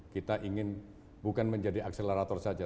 kita ingin bukan menjadi akselerator saja